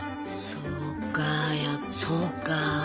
そうかいやそうか。